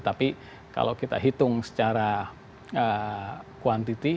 tapi kalau kita hitung secara ee quantity